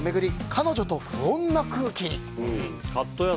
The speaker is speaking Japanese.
彼女と不穏な空気に。